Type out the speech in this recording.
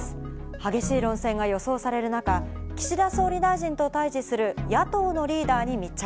激しい論戦が予想される中、岸田総理大臣と対じする野党のリーダーに密着。